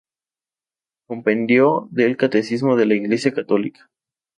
Compendio del Catecismo de la Iglesia Católica